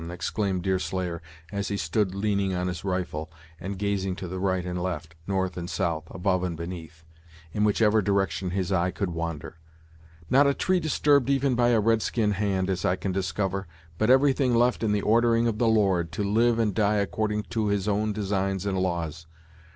exclaimed Deerslayer, as he stood leaning on his rifle, and gazing to the right and left, north and south, above and beneath, in whichever direction his eye could wander; "not a tree disturbed even by red skin hand, as I can discover, but everything left in the ordering of the Lord, to live and die according to his own designs and laws!